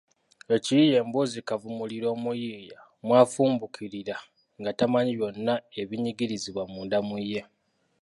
Ekiyiiye mboozi kavumulira omuyiiya mw’afumbukulira nga tamanyi byonna ebinyigirizibwa munda mu ye.